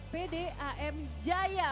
pt am jaya